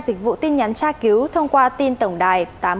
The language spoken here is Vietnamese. dịch vụ tin nhắn tra cứu thông qua tin tổng đài tám nghìn bảy mươi chín